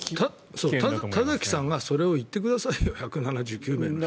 田崎さんがそれを言ってくださいよ１７９名の人に。